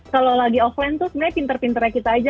kalau lagi offline tuh sebenarnya pinter pinternya kita aja